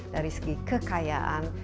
dari segi kekayaan